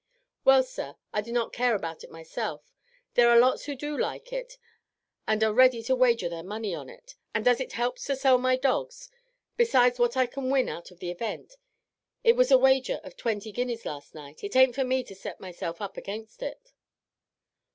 "Well, sir, I do not care about it myself; there are lots who do like it, and are ready to wager their money on it, and as it helps to sell my dogs, besides what I can win out of the event it was a wager of twenty guineas last night it aint for me to set myself up against it."